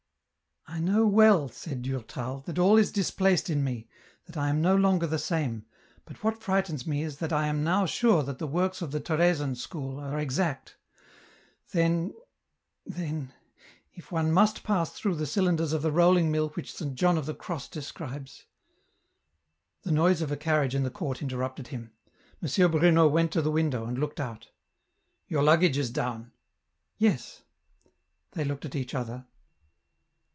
" I know well," said Durtal, " that all is displaced in me, that I am no longer the same, but what frightens me is that I am now sure that the works of the Teresan school are exact ... then, then ... if one must pass through the cylinders of the rolling mill which Saint John of the Cross describes ...." The noise of a carriage in the court interrupted him. M. Bruno went to the window and looked out. " Your luggage is down." " Yes." They looked at each other.